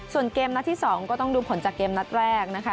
ส่วนเกมนัดที่๒ก็ต้องดูผลจากเกมนัดแรกนะคะ